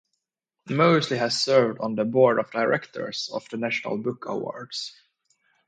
Mosley has served on the board of directors of the National Book Awards.